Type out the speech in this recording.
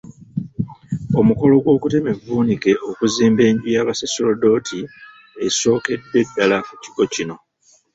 Omukolo gw’okutema evvuunike okuzimba enju y’abasooserodooti esookedde ddala ku kigo kino.